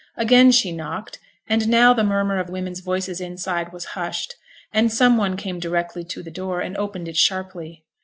Again she knocked, and now the murmur of women's voices inside was hushed, and some one came quickly to the door, and opened it sharply.